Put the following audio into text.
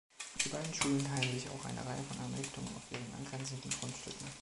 Die beiden Schulen teilen sich auch eine Reihe von Einrichtungen auf ihren angrenzenden Grundstücken.